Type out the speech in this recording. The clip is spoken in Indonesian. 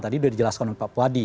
tadi sudah dijelaskan oleh pak puadi